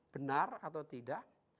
benar atau tidak